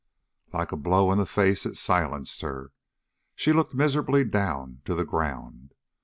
Like a blow in the face it silenced her. She looked miserably down to the ground.